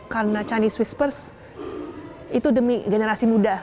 karena chinese whispers itu demi generasi muda